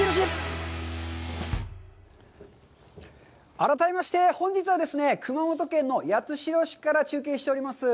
改めまして、本日は、熊本県の八代市から中継しております。